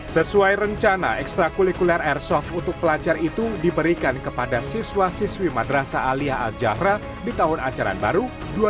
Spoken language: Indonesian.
sesuai rencana ekstra kurikuler airsoft untuk pelajar itu diberikan kepada siswa siswi madrasa alia al jahra di tahun ajaran baru dua ribu dua puluh tiga dua ribu dua puluh empat